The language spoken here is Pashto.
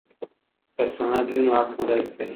که سند وي نو حق نه ضایع کیږي.